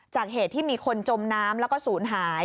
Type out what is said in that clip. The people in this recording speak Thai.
เหตุที่มีคนจมน้ำแล้วก็ศูนย์หาย